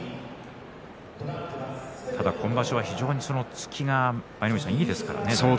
今場所は非常に突きが舞の海さんいいですね。